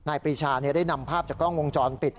ปรีชาได้นำภาพจากกล้องวงจรปิด